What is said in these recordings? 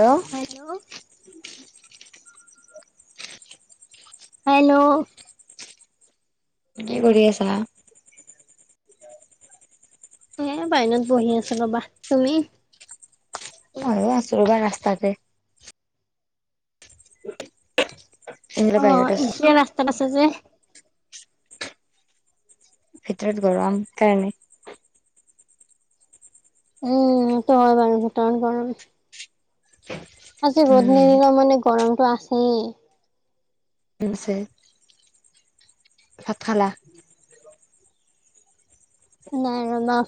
Hello hello hello কি কৰি আছা? এঁ বাহিৰত বহি আছো ৰ'বা, তুমি? এ আছো ৰবা ৰাস্তাতে। এনে অ বাহিৰত আছো ইতিয়া ৰাস্তাত আছে যে। ভিতৰত গৰম কাৰণে। উম টো হয় বাৰু ভিতৰত গৰম। আজি ৰ'দ উম নিদিলেও মানে গৰমটো আছেই। [inaudible] ভাত খালা। নাই ৰবা।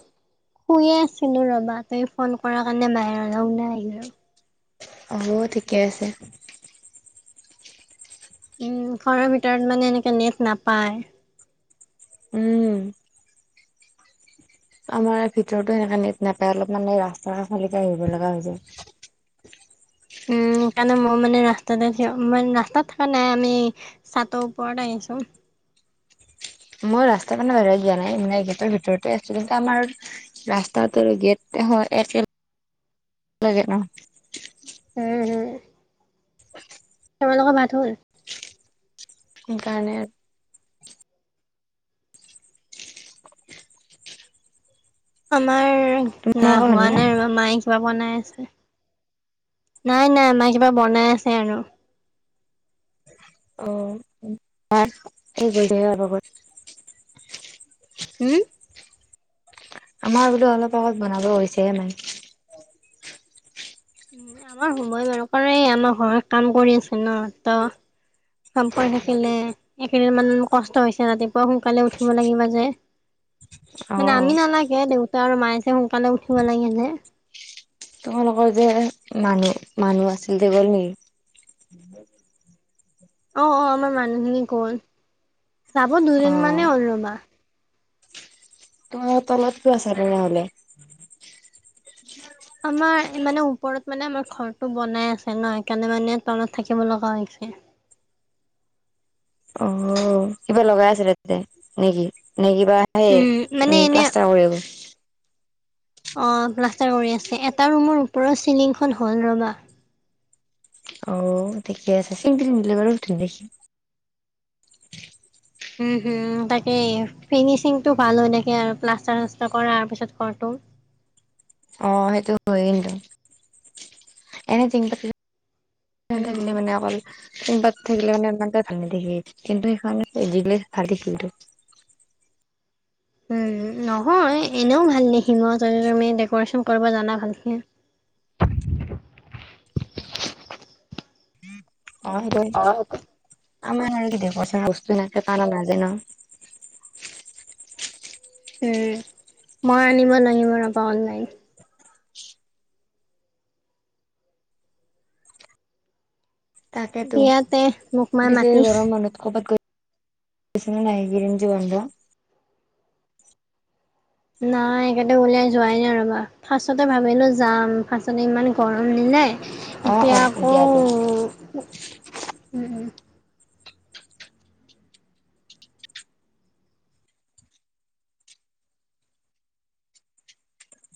শুইয়ে আছিলোঁ ৰ'বা তুমি ফোন কৰা কাৰণে বাহিৰলৈ ওলাই আহিলো। অ মো ঠিকে আছে। উম ঘৰৰ ভিতৰত মানে এনেকে নেট নাপায়। উম। আমাৰ ভিতৰতো সেনেকাে নেট নাপায় অলপ মানে ৰাস্তা কাষৰলৈকে আহিব লগা হৈ যায়। উম সেইকাৰণে মোৰ মানে ৰাস্তা ম ৰাস্তাত থকা নাই আমি সাতৰ ওপৰত আহিছো। মই ৰাস্তা কাৰানে বোই দিয়া নাই ম গেটৰ ভিতৰতে আছিলো ত আমাৰ। ৰাস্তাটো গেট হয় এক লাগে ন। উম হুম তোমালোকৰ ভাত হ'ল। সেই কাৰণে আৰু। আমাৰ না তোমালোকৰ হ'ল হোৱা নে নাই আৰু মায়। কিবা বনাই আছে নাই নাই মায় কিবা বনাই আছে আৰু। অ [unintelligible] হম। আমাৰ বোলো অলপ আগত বনাব গৈছেহে মায়। আমাৰ সময় মানু কৰে আমাৰ ঘৰত কাম কৰি আছে নহ ত। কাম কৰি থাকিলে একেইদিনমান কষ্ট হৈছে ৰাতিপুৱা সোনকালে উঠিব লাগিব যে। অ মানে অ আমি নালাগে দেউতা আৰু মায়ে যে সোনকালে উঠিব লাগে যে। তোমালোকৰ যে মানুহ মানুহ আছিল যে গল নেকি। অ অ আমাৰ মানুহখিনি গল যাব দুদিন অ', মানেই হ'ল ৰবা। টোমো তলত কি আছা তেনেহ'লে। আমাৰ মানে ওপৰত মানে আমাৰ ঘৰটো বনাই আছে ন সেইকাৰণে মানে টাউনত থাকিব লগা হৈছে অ কিবা লগাই আছিলে তাতে নেকি নে কিবা। হে উম মানে উম এনে প্লাছতাৰ [inaudible] অ প্লাষ্টাৰ কৰি আছে এটা ৰুমৰ ওপৰৰ চিলিংখন হল ৰবা। অ ঠিকে আছে [inaudible] বাৰু ধুন দেখি উম উম তাকে ফিনিচিং টো ভাল হয় থাকে আৰু প্লাষ্টাৰ চাষ্টাৰ কৰাৰ পিছত ঘৰটো। অ সেইটো হয় এনে তি। না উম। থাকিলে মানে অকল। কোনবাত থাকিলে মানে ইমান ভাল নেদখি কিন্তু সেইকাৰণে জিগিলে ভাল [inaudible] খিলটো। উম নহয় এনেও ভাল তাতে তুমি ডেক'ৰেশ্যন কৰিব জানা ভালকে। অ [inaudible] আমাৰ আৰু কি দেবৰ চা বস্তু নাছে পাৰা নাজে ন। উম মই আনিব লাগিব ৰ'বা অনলাইন। তাকেতো বিয়াতে মোক মাই বেছি মাতিছ গৰম [inaudible] [unintelligible] নাই কটো ওলিয়া যোৱাই নাই ৰবা। ফাৰ্ষ্টতে ভাবিলো যাম ফাৰ্ষ্টতে ইমান গৰম নিলে। অ', এতিয়া অ', দিয়া দিয়া। আকৌ উম উম।